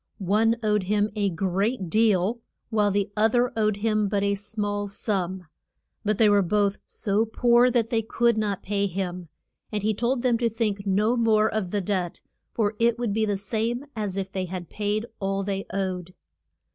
One owed him a great deal, while the oth er owed him but a small sum. But they were both so poor that they could not pay him, and he told them to think no more of the debt, for it would be the same as if they had paid all they owed.